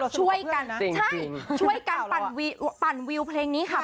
ช่วยกันนะใช่ช่วยกันปั่นวิวเพลงนี้ค่ะ